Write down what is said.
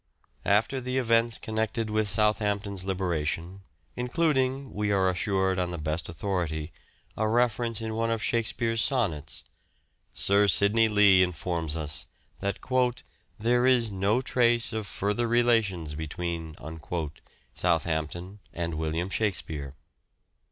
After the events connected with Southampton's liberation, including, we are assured on the best authority, a reference in one of Shakespeare's sonnets, Sir Sidney Lee informs us that " there is no trace of further relations between " Southampton and William Shakspere.